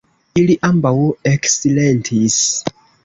Ili ambaŭ eksilentis.